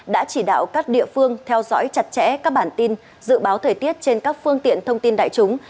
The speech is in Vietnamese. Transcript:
đã chỉ đạo các địa phương theo dõi chặt chẽ các bản tin dự báo thời tiết trên các phương tiện thông tin đại chúng